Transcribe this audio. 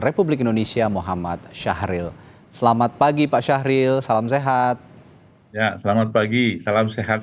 republik indonesia muhammad syahril selamat pagi pak syahril salam sehat selamat pagi salam sehat